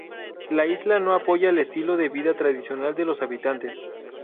La isla no apoya el estilo de vida tradicional de los habitantes.